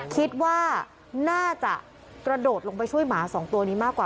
คิดว่าน่าจะกระโดดลงไปช่วยหมาสองตัวนี้มากกว่า